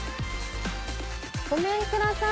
ごめんください。